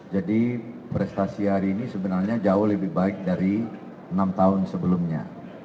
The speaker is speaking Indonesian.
jadi prestasi hari ini sebenarnya jauh lebih baik dari enam tahun sebelumnya